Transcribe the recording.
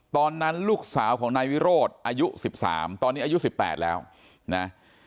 ตอนนั้นลูกสาวของนายวิโรธอายุ๑๓ตอนนี้อายุ๑๘แล้วนะ